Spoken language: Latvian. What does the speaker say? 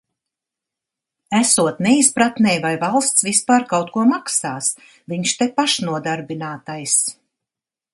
Esot neizpratnē, vai valsts vispār kaut ko maksās? Viņš te pašnodarbinātais.